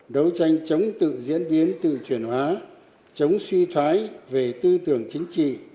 đấu tranh chống tự diễn biến tự chuyển hóa chống suy thoái về tư tưởng chính trị